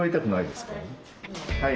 はい。